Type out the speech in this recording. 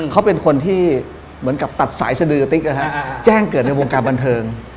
เขาเป็นคนที่เหมือนกับตัดสายสดือติ๊กแจ้งเกิดในวงการบันเทิง